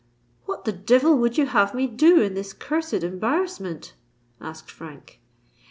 "What the devil would you have me do in this cursed embarrassment?" asked Frank.